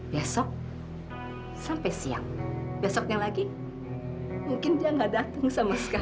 besok sampai siang besoknya lagi mungkin dia nggak datang sama sekali